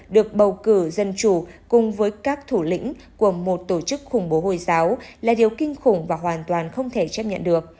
được bầu cử dân chủ cùng với các thủ lĩnh của một tổ chức khủng bố hồi giáo là điều kinh khủng và hoàn toàn không thể chấp nhận được